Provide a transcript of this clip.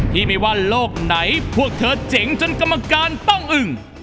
ที่ไม่ว่าโลกไหนพวกเธอเจ๋งจนกรรมการต้องอึ่ง